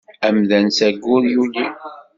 Amdan s aggur yuli.